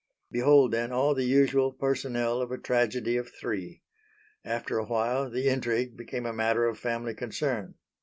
Behold then all the usual personnel of a tragedy of three. After a while the intrigue became a matter of family concern.